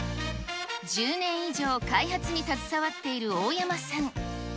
１０年以上、開発に携わっている大山さん。